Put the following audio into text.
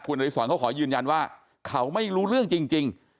คุณอริสรเขาขอยืนยันว่าเขาไม่รู้เรื่องจริง